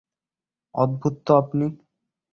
অদ্ভুত তো আপনি!